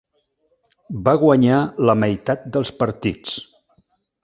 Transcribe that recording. Va guanyar la meitat dels partits.